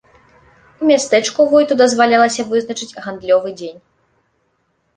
У мястэчку войту дазвалялася вызначаць гандлёвы дзень.